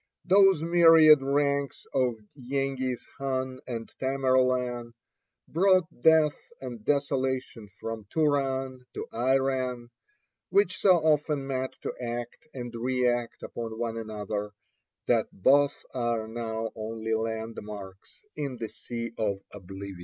Those myriad ranks of Yenghiz Khan and Tamerlane brought death and desolation from Turan to Iran, which so often met to act and react upon one another that both are now only landmarks in the sea of oblivion.